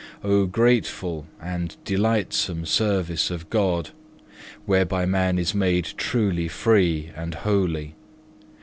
6. Oh grateful and delightsome service of God, whereby man is made truly free and holy!